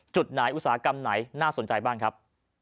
จุดไหนอุตสาหกรรมไหนน่าสนใจบ้างครับ